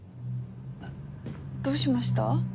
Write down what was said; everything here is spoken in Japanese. どうしました？